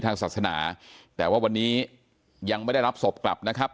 ทางศาสนาแต่ว่าวันนี้ยังไม่ได้รับศพกลับนะครับ